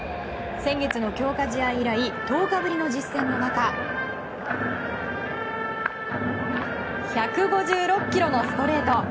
先月の強化試合以来１０日ぶりの実戦の中１５６キロのストレート。